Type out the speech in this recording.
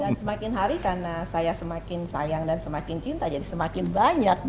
dan semakin hari karena saya semakin sayang dan semakin cinta jadi semakin banyak dong